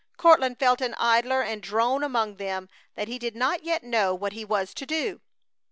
Courtland felt an idler and drone among them that he did not yet know what he was to do.